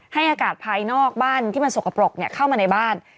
ให้อากาศภายนอกบ้านที่มันสกปรกเข้ามาในบ้าน